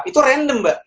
itu random mbak